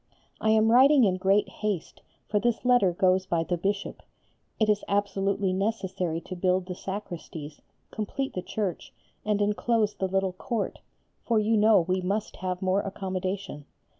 I am writing in great haste, for this letter goes by the Bishop. It is absolutely necessary to build the sacristies, complete the church, and enclose the little court, for you know we must have more accommodation.